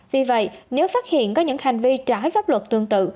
vì vậy nếu phát hiện có những hành vi trái pháp luật tương tự